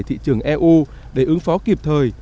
thị trường eu để ứng phó kịp thời